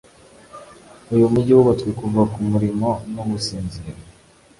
Uyu mujyi wubatswe kuva kumurimo no gusinzira